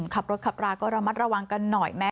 ขับรถขับราก็ระมัดระวังกันหน่อยแม้